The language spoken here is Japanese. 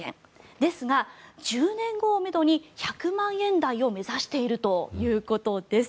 ですが１０年後をめどに１００万円台を目指しているということです。